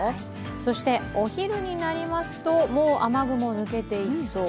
そして、お昼になりますともう雨雲抜けていきそう。